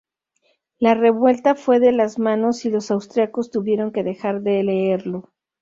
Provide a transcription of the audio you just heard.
La revuelta fue de las manos y los austriacos tuvieron que dejar de leerlo.